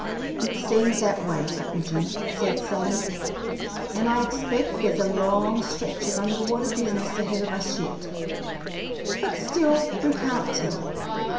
"It seems that way, Cap'n Jim," said Sammy, "and I expect there's a long stretch of underwater business ahead of us yet, but still we can't tell.